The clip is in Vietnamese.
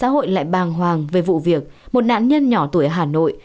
hội lại bàng hoàng về vụ việc một nạn nhân nhỏ tuổi ở hà nội